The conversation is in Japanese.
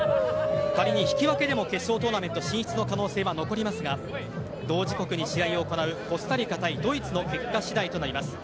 仮に引き分けでも決勝トーナメント進出の可能性は残りますが同時刻に試合を行うコスタリカ対ドイツの結果次第となります。